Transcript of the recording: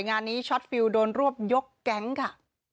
งานนี้ช็อตฟิลโดนรวบยกแก๊งค่ะ